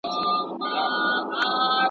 د موږك او د پيشو په منځ كي څه دي